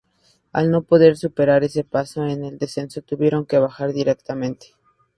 Al no poder superar ese paso en el descenso, tuvieron que bajar directamente.